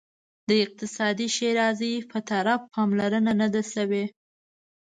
د اقتصادي ښیرازي په طرف پاملرنه نه ده شوې.